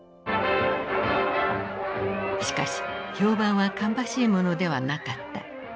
しかし評判は芳しいものではなかった。